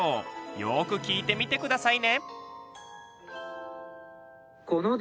よく聞いてみて下さいね。